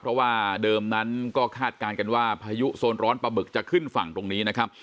เพราะว่าเดิมนั้นก็คาดการณ์กันว่าพายุโซนร้อนปลาบึกจะขึ้นฝั่งตรงนี้นะครับ